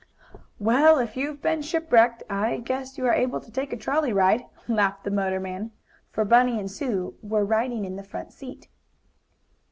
"Well, if you've been shipwrecked, I guess you are able to take a trolley ride," laughed the motorman, for Bunny and Sue were riding in the front seat.